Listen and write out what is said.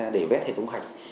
để vét hệ thống hạch